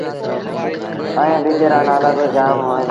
ائيٚݩ ٻج رآ نآلآ با جآم هوئين دآ